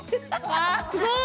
わあすごい！